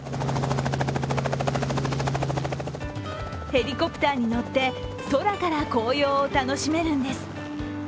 ヘリコプターに乗って空から紅葉を楽しめるんです。